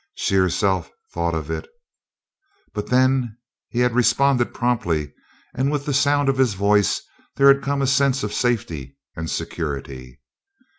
She herself thought of it, but then he had responded promptly, and with the sound of his voice there had come a sense of safety and security.